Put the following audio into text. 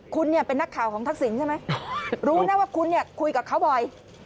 คุณเป็นนักข่าวของทักศิลป์ใช่ไหมรู้นะว่าคุณคุยกับเขาบ่อย